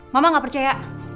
mama gak percaya